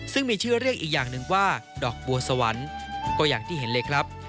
ซึ่งมีชื่อเรียกอีกอย่างหนึ่งว่าดอกบัวสวรรค์ก็อย่างที่เห็นเลยครับ